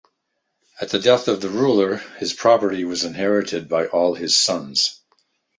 At the death of the ruler his property was inherited by all his sons.